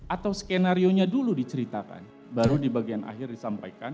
atau skenario nya dulu diceritakan baru di bagian akhir disampaikan